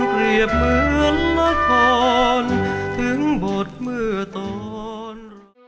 เปรียบเหมือนละครถึงบทเมื่อตอน